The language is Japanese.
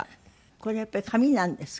これやっぱり紙なんですか？